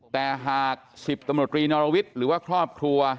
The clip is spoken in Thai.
แต่หากสิบตมตรีนอรวิทหรือว่าครอบครัว